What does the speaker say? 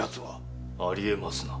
ありえますな。